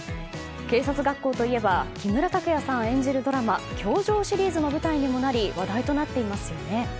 警察学校といえば木村拓哉さん演じるドラマ『教場』シリーズの舞台にもなり話題となっていますよね。